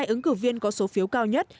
hai ứng cử viên có số phiếu cao nhất